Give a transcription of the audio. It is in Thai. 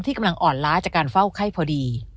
กำลังอ่อนล้าจากการเฝ้าไข้พอดี